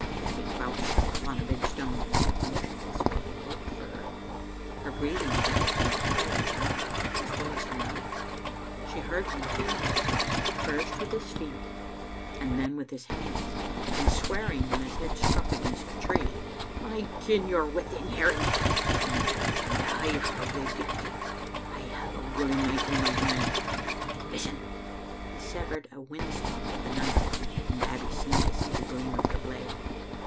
Babbie crouched upon a big stone and sat motionless while he groped for her. Her breathing might have been tied now, as well as her mouth. She heard him feeling for her, first with his feet and then with his Digitized by VjOOQ IC 3d6 tCbe little Afnfdtet% hands, and swearing when his head stfudc against k tree. "I ken you're within hearing," he muttered, "and I'll hae you yet. I have a gully knife in my hand. Listen!" He severed a whin stalk with the knife, and Babbie seemed to see the gleam of the blade.